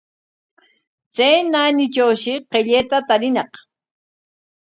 Chay naanitrawshi qillayta tariñaq.